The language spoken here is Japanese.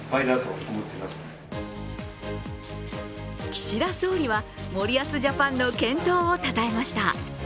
岸田総理は森保ジャパンの健闘をたたえました。